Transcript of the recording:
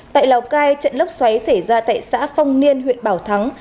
tại lào cai trận lốc xoáy xảy ra tại xã phong niên huyện bảo thắng